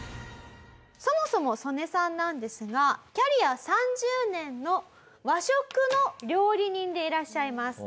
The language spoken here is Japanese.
そもそもソネさんなんですがキャリア３０年の和食の料理人でいらっしゃいます。